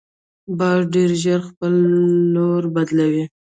باز ډیر ژر خپل لوری بدلوي